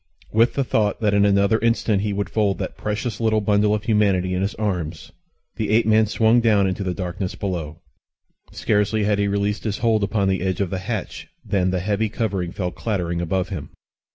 With the thought that in another instant he would fold that precious little bundle of humanity in his arms, the ape man swung down into the darkness below. Scarcely had he released his hold upon the edge of the hatch than the heavy covering fell clattering above him.